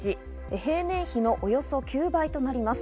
平年比のおよそ９倍となります。